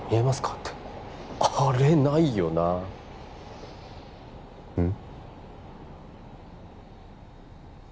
ってあれないよなうん？